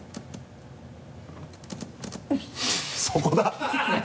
そこだ